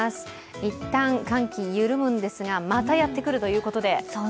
一旦、寒気緩むんですが、またやってくるということで。